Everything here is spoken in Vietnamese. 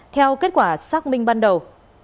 theo kết quả xác minh ban đầu